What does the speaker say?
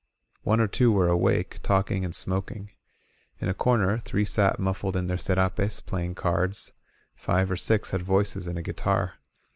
One or two were awake, talking and smoking. In a comer, three sat muffled in their scrapes, playing cards. Five or six had voices and a guitar.